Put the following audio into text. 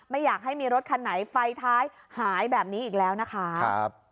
ไม่อยากให้มีรถคันไหนไฟท้ายหายแบบนี้อีกแล้วนะคะ